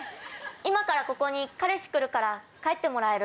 今からここに彼氏来るから帰ってもらえる？